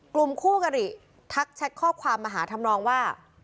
กลุ่มคู่กริทักแช็คข้อความมาหาธรรมน้องว่า